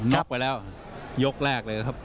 งบไว้แล้วยกแลกเลยครับ